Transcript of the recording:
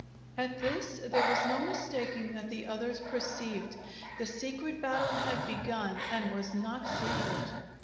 At this there was no mistaking that the others perceived. The secret battle had begun and was not secret.